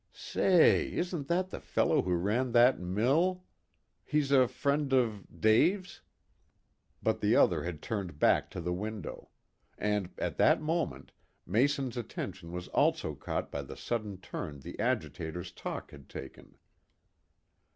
"Say, isn't that the fellow who ran that mill he's a friend of Dave's?" But the other had turned back to the window. And, at that moment, Mason's attention was also caught by the sudden turn the agitator's talk had taken.